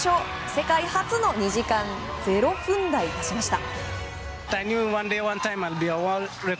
世界初の２時間０分台を出しました。